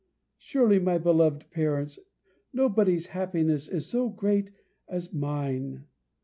Surely, my beloved parents, nobody's happiness is so great as mine!